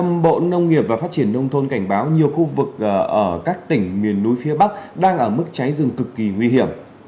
bộ nông nghiệp và phát triển nông thôn cảnh báo nhiều khu vực ở các tỉnh miền núi phía bắc đang ở mức cháy rừng cực kỳ nguy hiểm